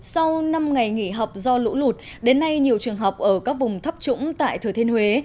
sau năm ngày nghỉ học do lũ lụt đến nay nhiều trường học ở các vùng thấp trũng tại thừa thiên huế